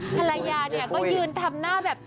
ภรรยาก็ยืนทำหน้าแบบจ๋อย